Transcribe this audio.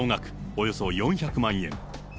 およそ４００万円。